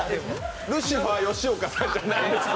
ルシファー吉岡さんじゃないです。